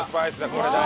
これだよ！